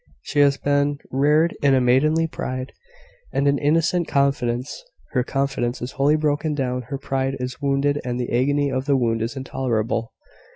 She has been reared in a maidenly pride, and an innocent confidence: her confidence is wholly broken down; her pride is wounded and the agony of the wound is intolerable.